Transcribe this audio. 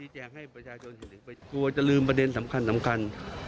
เกลียดอีกไปกลัวจะลืมประเด็นสำคัญ